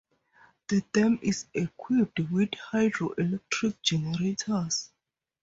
The dam is equipped with hydroelectric generators.